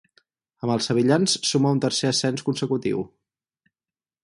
Amb els sevillans suma un tercer ascens consecutiu.